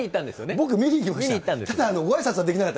僕、見に行きました。